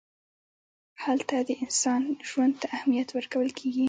هلته د انسان ژوند ته اهمیت ورکول کېږي.